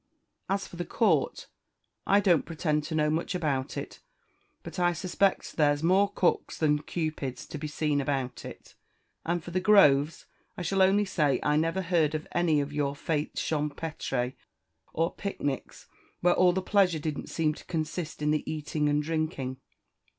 As for the court, I don't pretend to know much about it; but I suspect there's more cooks than Cupids to be seen about it. And for the groves, I shall only say I never heard of any of your fetes champétre, or picnics, where all the pleasure didn't seem to consist in the eating and drinking."